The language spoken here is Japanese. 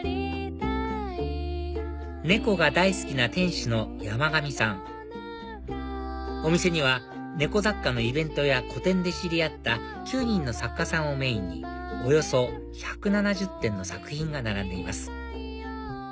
猫が大好きな店主の山上さんお店には猫雑貨のイベントや個展で知り合った９人の作家さんをメインにおよそ１７０点の作品が並んでいます